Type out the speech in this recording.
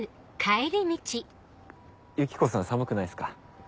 ユキコさん寒くないっすか？